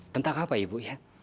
tentang apa ibu